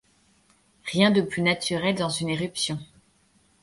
Rien de plus naturel dans une éruption.